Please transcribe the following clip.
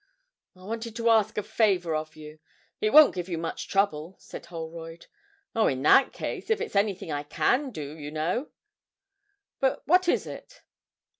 'I wanted to ask a favour of you; it won't give you much trouble,' said Holroyd. 'Oh, in that case, if it's anything I can do, you know but what is it?'